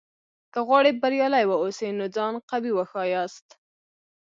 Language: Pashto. که غواړې بریالی واوسې؛ نو ځان قوي وښیاست!